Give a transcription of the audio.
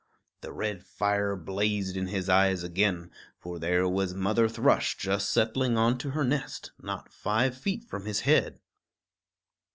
The red fire blazed in his eyes again; for there was Mother Thrush just settling onto her nest, not five feet from his head.